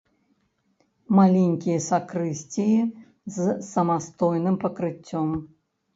Маленькія сакрысціі з самастойным пакрыццём.